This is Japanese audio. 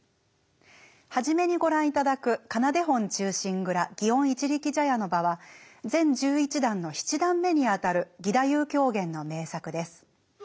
初めにご覧いただく「仮名手本忠臣蔵園一力茶屋の場」は全十一段の七段目にあたる義太夫狂言の名作です。